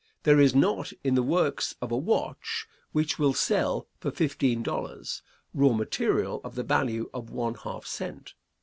There is not in the works of a watch which will sell for fifteen dollars, raw material of the value of one half cent.